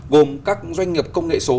gồm các doanh nghiệp công nghệ số